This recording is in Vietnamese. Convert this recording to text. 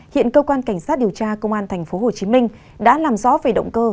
hiện cơ quan cảnh sát điều tra công an tp hcm đã làm rõ về động cơ